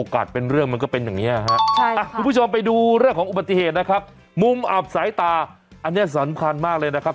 คุณผู้ชมไปดูเรื่องของอุบัติเหตุนะครับมุมอับสายตาอันนี้สำคัญมากเลยนะครับ